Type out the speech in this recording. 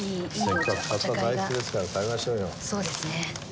そうですね。